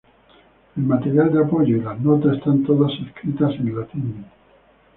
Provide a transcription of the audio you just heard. El material de apoyo y las notas están todas escritas en latín.